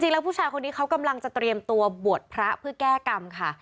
แล้วผู้ชายคนนี้เขากำลังจะเตรียมตัวบวชพระเพื่อแก้กรรมค่ะ